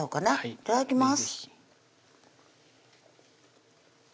いただきます